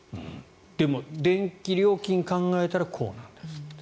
でも、電気料金を考えたらこうなんですって。